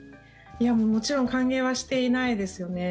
もちろん歓迎はしていないですね。